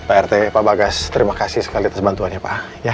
pak rt pak bagas terima kasih sekali atas bantuannya pak